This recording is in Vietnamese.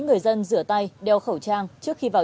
người dân rửa tay đeo khẩu trang trước khi vào